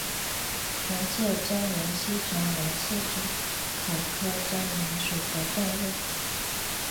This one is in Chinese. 隐棘真缘吸虫为棘口科真缘属的动物。